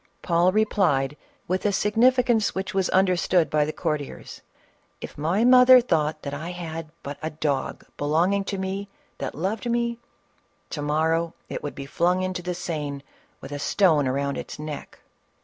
Paul replied with a significance which was understood by the courtiers, "If my mother thought that I had but a dog belonging to me that loved me, to morrow it would be flung into the Seine with a stone around its neck."